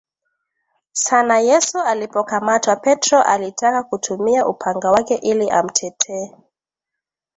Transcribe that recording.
sana Yesu alipokamatwa Petro alitaka kutumia upanga wake ili amtetee